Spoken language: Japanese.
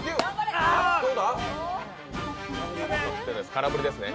空振りですね。